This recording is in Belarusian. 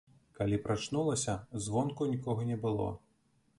Калі прачнулася, звонку нікога не было.